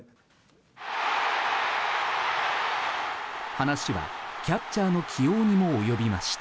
話はキャッチャーの起用にも及びました。